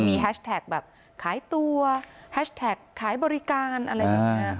มีแฮชแท็กแบบขายตัวแฮชแท็กขายบริการอะไรแบบนี้